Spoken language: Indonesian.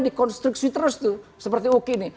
di konstruksi terus tuh seperti uki ini